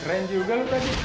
keren juga lo tadi